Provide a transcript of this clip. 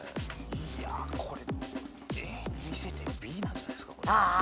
いやこれＡに見せてＢなんじゃないっすか？